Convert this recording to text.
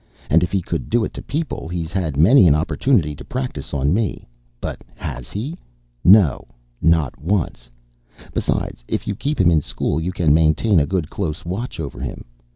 And if he could do it to people he's had many an opportunity to practice on me. But has he? No, not once. Besides, if you keep him in school, you can maintain a good close watch over him.